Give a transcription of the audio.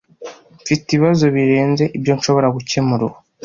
Mfite ibibazo birenze ibyo nshobora gukemura ubu.